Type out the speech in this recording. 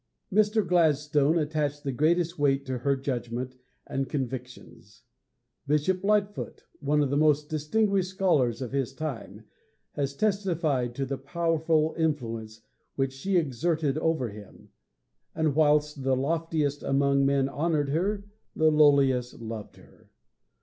Mr. Gladstone attached the greatest weight to her judgment and convictions. Bishop Lightfoot, one of the most distinguished scholars of his time, has testified to the powerful influence which she exerted over him. And, whilst the loftiest among men honored her, the lowliest loved her.